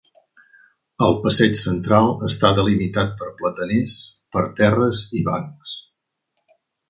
El passeig central està delimitat per plataners, parterres i bancs.